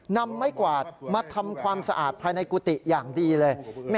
นำไม้กวาดมาทำความสะอาดภายในกุฏิอย่างดีเลย